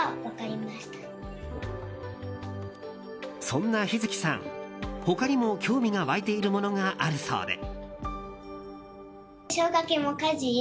そんな陽月さん、他にも興味が湧いているものがあるそうで。